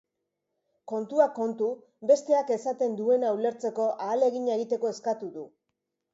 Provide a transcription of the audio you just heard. Kontuak kontu, besteak esaten duena ulertzeko ahalegina egiteko eskatu du.